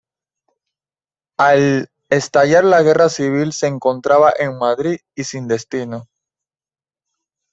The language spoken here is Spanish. Al estallar la guerra civil, se encontraba en Madrid y sin destino.